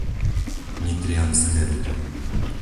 Nitrianske Rudno